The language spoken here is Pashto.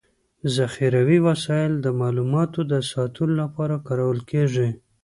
ذخيروي وسایل د معلوماتو د ساتلو لپاره کارول کيږي.